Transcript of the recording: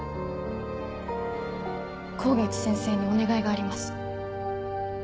香月先生にお願いがあります。